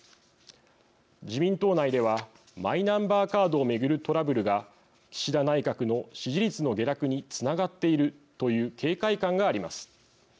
自民党内ではマイナンバーカードを巡るトラブルが岸田内閣の支持率の下落につながっているという警戒感があります。